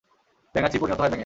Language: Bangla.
ব্যাঙাচি পরিণত হয় ব্যাঙে।